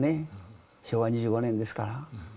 昭和２５年ですから。